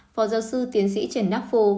phó giáo sư tiến sĩ trần đắc phu